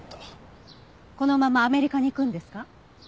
このままアメリカに行くんですか？